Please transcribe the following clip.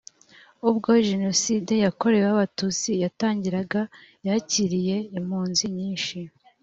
ubwo jenoside yakorewe abatutsi yatangiraga yakiriye impunzi nyinshi